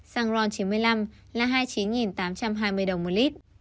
xăng ron chín mươi năm là hai mươi chín tám trăm hai mươi đồng một lít